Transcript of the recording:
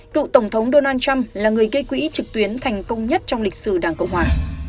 cựu tổng thống donald trump là người gây quỹ trực tuyến thành công nhất trong lịch sử đảng cộng hòa